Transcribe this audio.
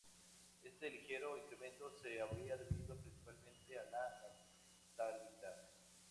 Este ligero incremento se habría debido principalmente a la natalidad.